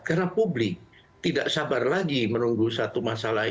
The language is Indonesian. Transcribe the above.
karena publik tidak sabar lagi menunggu satu masalah itu